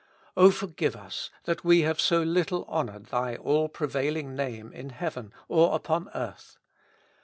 O forgive us that we have so little honored Thy all prevailing Name in heaven or upon earth.